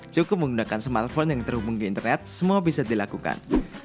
cukup menggunakan smartphone yang terhubung di internet semua bisa dilakukan